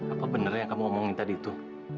apa benar yang kamu omongin tadi itu